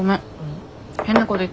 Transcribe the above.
変なこと言った。